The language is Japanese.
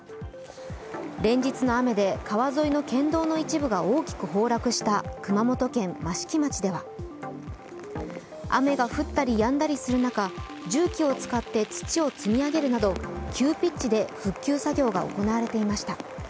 連日の雨で川沿いの県道の一部が大きく崩落した熊本県益城町では雨が降ったりやんだりする中、重機を使って土を積み上げるなど急ピッチで復旧作業が行われていました。